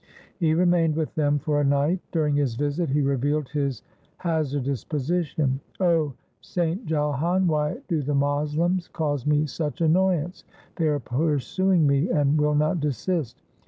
He remained with them for a night. During his visit he revealed his hazard ous position, ' O saint Jalhan, why do the Moslems cause me such annoyance ? They are pursuing me and will not desist.